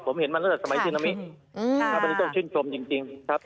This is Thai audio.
ผมเห็นมาตั้งแต่สมัยที่นี่ต้องชื่นชมจริง